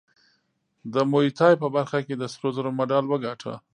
د موی تای په برخه کې د سرو زرو مډال وګاټه